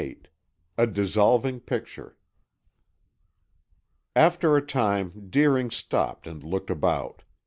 XXVIII A DISSOLVING PICTURE After a time Deering stopped and looked about.